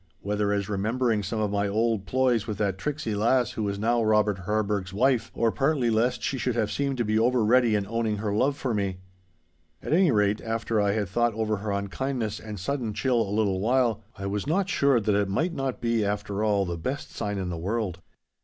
Whether as remembering some of my old ploys with that tricksy lass who was now Robert Harburgh's wife, or partly lest she should have seemed to be over ready in owning her love for me. At any rate, after I had thought over her unkindness and sudden chill a little while, I was not sure that it might not be after all the best sign in the world.